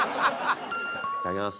いただきます